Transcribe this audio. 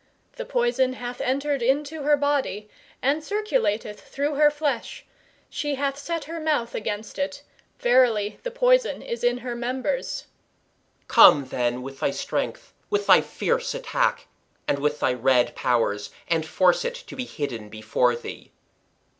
The poison hath entered into her body, and circulateth through her flesh. She hath set her mouth against it;[FN#200] verily the poison is in her members. [FN#200] i.e., she hath directed her words against it. "Come then with thy strength, with thy fierce attack, and with thy red powers, and force it to be hidden before thee.